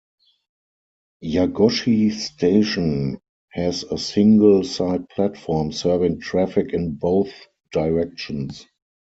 Yagoshi Station has a single side platform serving traffic in both directions.